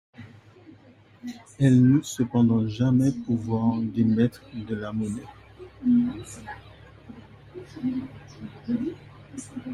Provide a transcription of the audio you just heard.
Elle n'eut cependant jamais pouvoir d'émettre de la monnaie.